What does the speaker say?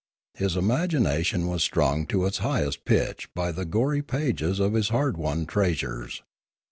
His imagination was strung to its highest pitch by the gory pages of his hard won treasures.